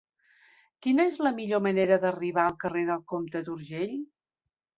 Quina és la millor manera d'arribar al carrer del Comte d'Urgell?